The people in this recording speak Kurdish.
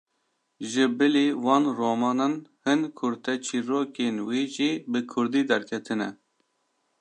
Ji bilî van romanan, hin kurteçîrrokên wî jî bi kurdî derketine.